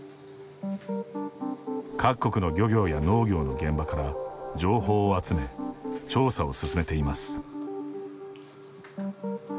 各国の漁業や農業の現場から情報を集め、調査を進めています。